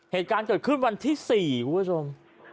เหตุการณ์เกิดขึ้นวันที่๔คุณผู้ชม